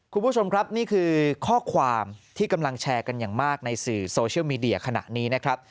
คุณผู้ชมครับนี่คือข้อความที่กำลังแชร์กันอย่างมากในสื่อโซเชียลมีเดียขณะนี้นะครับ